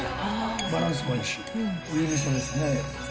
バランスもいいし、いいみそですね。